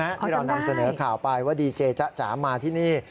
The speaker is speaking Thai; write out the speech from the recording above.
ที่เรานำเสนอข่าวไปว่าดีเจจ๊ะจ๋ามาที่นี่